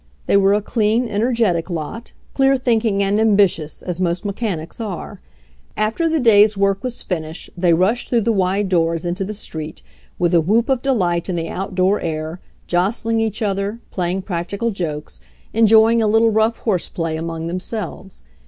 They were a clean, energetic lot, clear think ing and ambitious, as most mechanics are. After the day's work was finished they rushed through the wide doors into the street, with a whoop of delight in the outdoor air, jostling each other, playing practical jokes, enjoying a little rough 28 HENRY FORD'S OWN STORY horseplay among themselves.